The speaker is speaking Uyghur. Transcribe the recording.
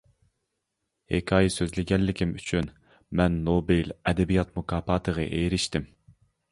ھېكايە سۆزلىگەنلىكىم ئۈچۈن مەن نوبېل ئەدەبىيات مۇكاپاتىغا ئېرىشتىم.